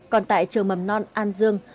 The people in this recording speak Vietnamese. còn tại trường mầm non an dương